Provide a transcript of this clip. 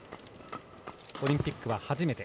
オリンピックは初めて。